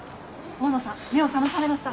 大野さん目を覚まされました。